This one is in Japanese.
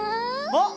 あっ！